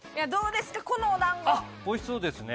美味しそうですね。